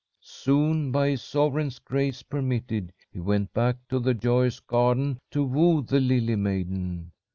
Soon, by his sovereign's grace permitted, he went back to the joyous garden to woo the lily maiden.